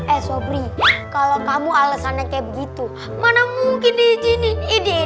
eh sobri kalo kamu alesannya kayak begitu mana mungkin diizinin